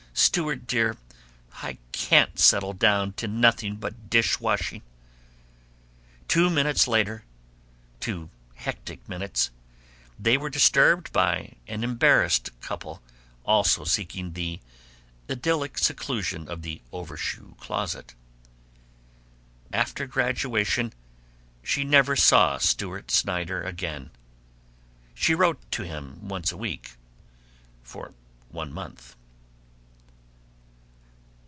Stewart dear, I can't settle down to nothing but dish washing!" Two minutes later two hectic minutes they were disturbed by an embarrassed couple also seeking the idyllic seclusion of the overshoe closet. After graduation she never saw Stewart Snyder again. She wrote to him once a week for one month.